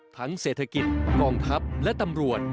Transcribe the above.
เศรษฐกิจกองทัพและตำรวจ